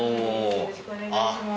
よろしくお願いします。